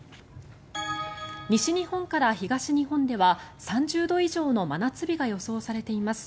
西日本から東日本では３０度以上の真夏日が予想されています。